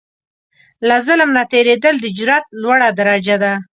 له ظلم نه تېرېدل، د جرئت لوړه درجه ده.